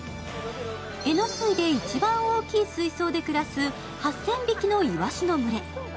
えのすいで一番大きい水槽で暮らす、８０００匹のいわしの群れ。